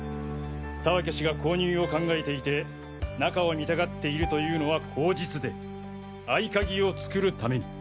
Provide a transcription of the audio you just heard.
田分氏が購入を考えていて中を見たがっているというのは口実で合鍵を作るために。